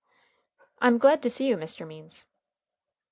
"I'm glad to see you, Mr. Means."